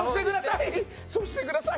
そうしてください！